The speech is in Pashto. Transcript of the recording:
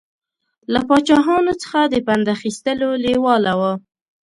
له پاچاهانو څخه د پند اخیستلو لېواله و.